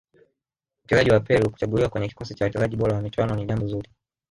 mchezaji wa peru kuchaguliwa kwenye kikosi cha wachezaji bora wa michuano ni jambo zuri